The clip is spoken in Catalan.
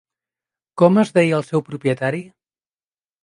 Com es deia el seu propietari?